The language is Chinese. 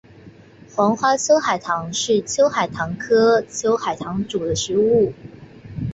黄花秋海棠是秋海棠科秋海棠属的植物。